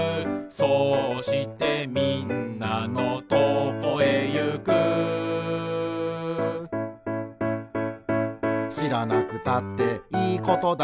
「そうしてみんなのとこへゆく」「しらなくたっていいことだけど」